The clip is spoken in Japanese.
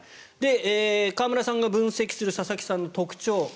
川村さんが分析する佐々木さんの特徴。